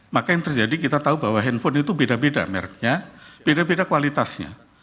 maka yang terjadi kita tahu bahwa handphone itu beda beda merknya beda beda kualitasnya